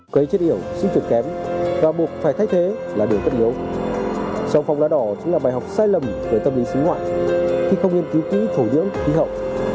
cây chết yếu sức trượt kém và buộc phải thay thế là đường cất yếu trồng phong lá đỏ chính là bài học sai lầm về tâm lý xứng ngoại khi không nghiên cứu kỹ thổ dưỡng khí hậu